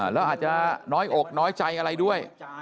แล้วอาจจะน้อยอกน้อยใจอะไรด้วย